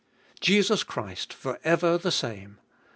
1. Jesus Christ, for ever the same.